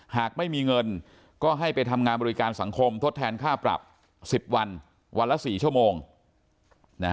หากไม่มีเงินก็ให้ไปทำงานบริการสังคมทดแทนค่าปรับ๑๐วันวันละ๔ชั่วโมง